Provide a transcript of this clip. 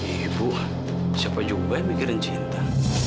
ibu siapa juga yang mikirin cinta